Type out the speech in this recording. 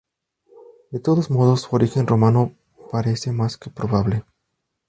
De todos modos, su origen romano parece más que probable.